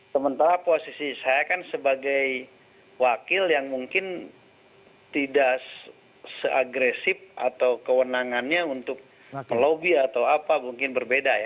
sementara posisi saya kan sebagai wakil yang mungkin tidak seagresif atau kewenangannya untuk melobi atau apa mungkin berbeda ya